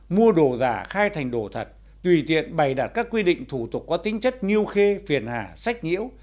mua đồ giả khai thành đồ thật tùy tiện bày đặt các quy định thủ tục có tính chất như khê phiền hà sách nhiễu